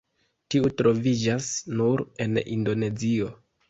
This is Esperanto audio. Tiu troviĝas nur en Indonezio.